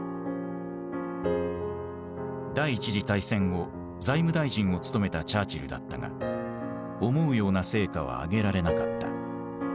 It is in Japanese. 第一次大戦後財務大臣を務めたチャーチルだったが思うような成果は上げられなかった。